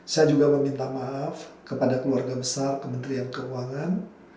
saya juga meminta maaf kepada keluarga besar kementerian keuangan